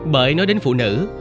bởi nói đến phụ nữ